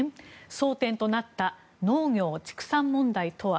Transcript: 争点となった農業・畜産問題とは。